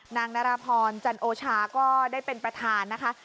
นางนรพรจันโอชาก็ได้เป็นประธานนะคะ